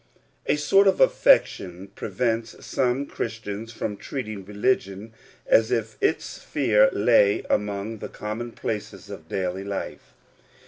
SORT of affectation prevents some Christians from treating religion as if its sphere lay among the common places of daily life.